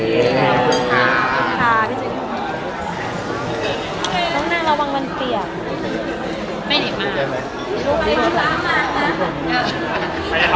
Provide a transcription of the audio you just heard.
น้องนางระวังมันเปลี่ยน